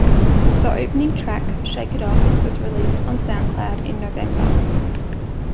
The opening track "Shake It Off" was released on Sound Cloud in November.